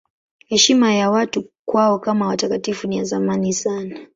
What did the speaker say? Heshima ya watu kwao kama watakatifu ni ya zamani sana.